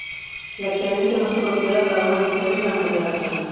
La excelencia más apropiada para una mujer es la moderación.